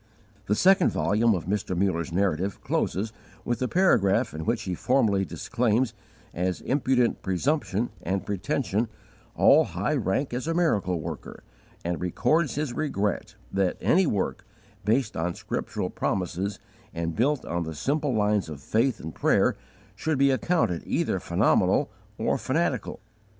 The second volume of Mr. Muller's Narrative closes with a paragraph in which he formally disclaims as impudent presumption and pretension all high rank as a miracle worker, and records his regret that any work, based on scriptural promises and built on the simple lines of faith and prayer, should be accounted either phenomenal or fanatical.